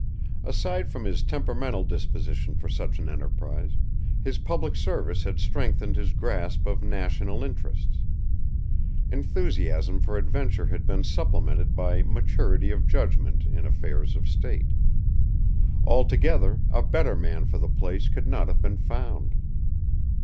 Aside from his temperamental disposition for such an enterprise, his public service had strengthened his grasp of national interests; enthusiasm for adventure had been supplemented by maturity of judgment in affairs of state. Altogether, a better man for the place could not have been found.